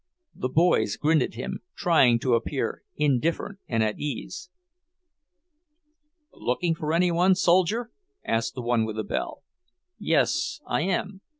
The boys grinned at him, trying to appear indifferent and at ease. "Looking for any one, soldier?" asked the one with the bell. "Yes, I am.